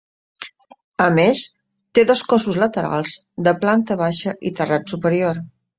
A més, té dos cossos laterals de planta baixa i terrat superior.